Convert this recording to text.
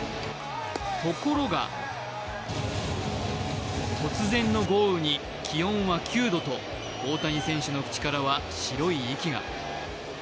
ところが突然の豪雨に気温は９度と、大谷選手の口からは白い息が。